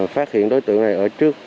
phát hiện đối tượng này ở trước